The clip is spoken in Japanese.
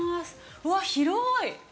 うわっ、広い。